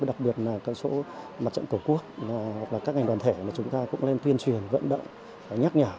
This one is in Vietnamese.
đặc biệt là cơ sở mặt trận cổ quốc các ngành đoàn thể chúng ta cũng nên tuyên truyền vận động nhắc nhả